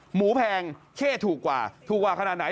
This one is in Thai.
หมูแพงเข้ถูกกว่าถูกกว่าขนาดไหน